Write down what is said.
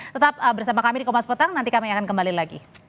tetap bersama kami di komnas petang nanti kami akan kembali lagi